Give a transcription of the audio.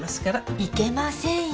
いけませんよ。